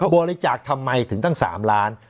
บริจาคทำไมถึงตั้ง๓ล้าน